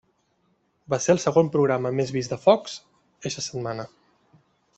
Va ser el segon programa més vist de Fox eixa setmana.